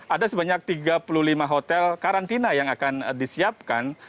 ada sebanyak tiga puluh lima hotel karantina yang akan disiapkan